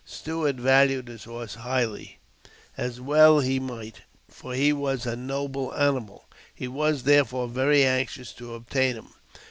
Stuart valued his horse highly, as well he might, for he was a noble animal : he was, therefore, very anxious to obtain him.